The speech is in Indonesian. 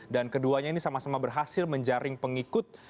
dan keduanya ini sama sama berhasil menjaring pengikut